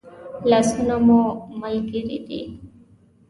لاسونه مو ملګري دي